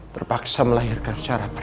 terpaksa melahirkan secara prematur